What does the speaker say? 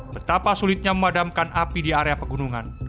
betapa sulitnya memadamkan api di area pegunungan